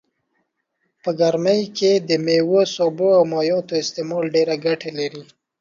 په ګرمي کي دميوو سابو او مايعاتو استعمال ډيره ګټه لرئ